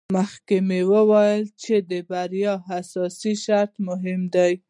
مخکې مو وویل چې د بریا اساسي شرط مهم دی.